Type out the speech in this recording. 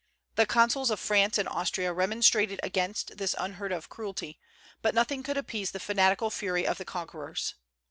The consuls of France and Austria remonstrated against this unheard of cruelty; but nothing could appease the fanatical fury of the conquerors.